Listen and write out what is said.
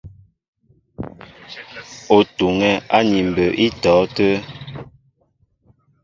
Ó tuŋɛ́ áni mbə̌ í tɔ̌ tə́ə́.